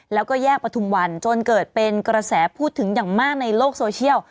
แล้วก็แยกประทุมวันจนเกิดเป็นกระแสพูดถึงอย่างมากในโลกโซเชียล